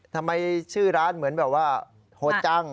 ทำไมชื่อร้านเหมือนแบบว่าโหดจัง